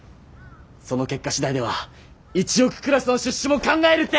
その結果次第では１億クラスの出資も考える」って！